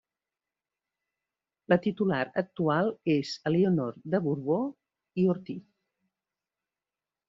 La titular actual és Elionor de Borbó i Ortiz.